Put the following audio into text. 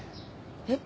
えっ？